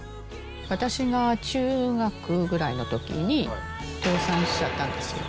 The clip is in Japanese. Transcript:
私が中学ぐらいのときに、倒産しちゃったんですよ。